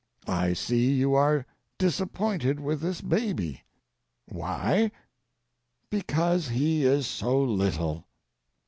I see you are disappointed with this baby. Why? Because he is so little.